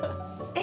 え！